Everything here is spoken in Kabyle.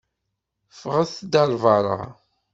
Ffɣet-d ar beṛṛa!